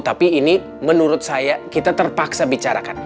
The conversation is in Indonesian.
tapi ini menurut saya kita terpaksa bicarakan